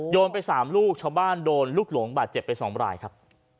ไป๓ลูกชาวบ้านโดนลูกหลงบาดเจ็บไป๒รายครับ